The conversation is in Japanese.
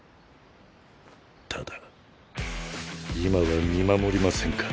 ただ今は見守りませんか？